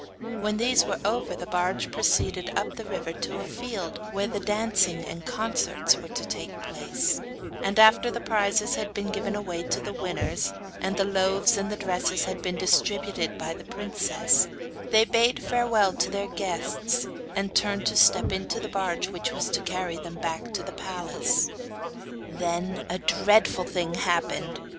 When these were over the barge proceeded up the river to the field where the dancing and concerts were to take place, and after the prizes had been given away to the winners, and the loaves and the dresses had been distributed by the princess, they bade farewell to their guests, and turned to step into the barge which was to carry them back to the palace. Then a dreadful thing happened.